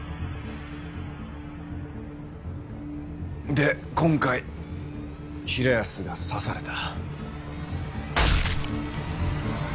で今回平安が刺された。